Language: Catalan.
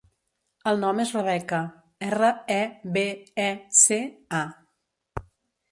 El nom és Rebeca: erra, e, be, e, ce, a.